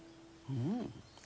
うん。